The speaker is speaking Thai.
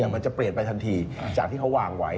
มันจะเปลี่ยนไปทันทีจากที่เขาวางไว้